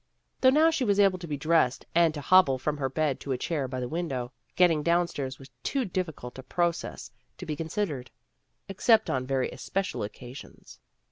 Though now she was able to be dressed and to hobble from her bed to a chair by the window, getting downstairs was too difficult a process to be considered, except on very especial oc casions.